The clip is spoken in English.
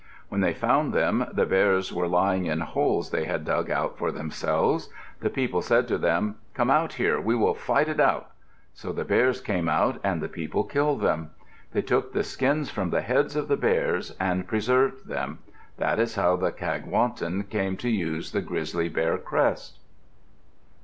When they found them, the bears were lying in holes they had dug out for themselves. The people said to them, "Come out here. We will fight it out." So the bears came out and the people killed them. They took the skins from the heads of the bears and preserved them. That is how the Kagwantan came to use the grizzly bear crest.